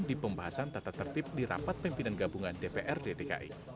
di pembahasan tata tertib di rapat pimpinan gabungan dprd dki